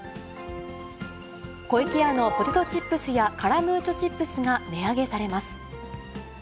湖池屋のポテトチップスやカラムーチョチップスが値上げされます。